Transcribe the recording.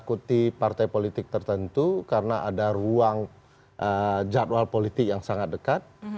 kita tidak bisa mengakuti partai politik tertentu karena ada ruang jadwal politik yang sangat dekat